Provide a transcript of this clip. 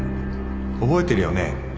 覚えてるよね？